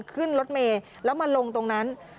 ขึ้นรถเมย์แล้วมาลงตรงนั้น